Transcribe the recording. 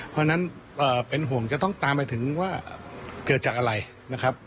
เพราะฉะนั้นเป็นห่วงจะต้องตามไปถึงว่าเกิดจากอะไรนะครับ